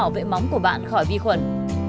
và giúp bảo vệ móng của bạn khỏi vi khuẩn